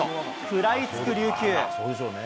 食らいつく琉球。